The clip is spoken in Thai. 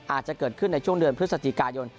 อาจจะเกิดขึ้นในช่วงเดือนพฤศจิกายน